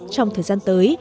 trong thời gian tới